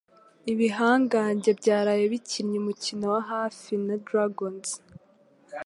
Ibihangange byaraye bikinnye umukino wa hafi na Dragons.